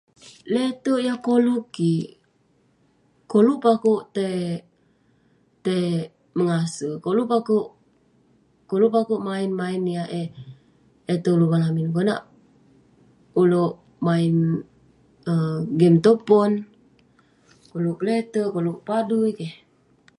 Lete'erk yah koluk kik? Koluk pe akouk tei- tei mengase. Koluk pe akouk- koluk pe akouk main-main yah eh- eh tong luvang lamin. Konak ulouk main um game tong pon, koluk kelete'erk, koluk padui keh.